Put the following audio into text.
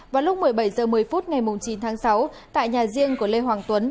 vào lúc một mươi bảy h một mươi phút ngày chín tháng sáu tại nhà riêng của lê hoàng tuấn